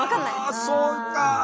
あそうか。